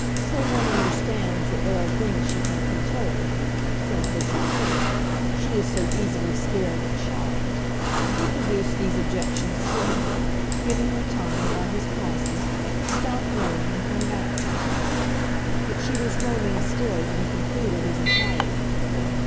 Say one understands that there are things she can't be told since, as you put it, she is so easily scared and shocked." He produced these objections slowly, giving her time, by his pauses, to stop roaming and come back to him. But she was roaming still when he concluded his inquiry.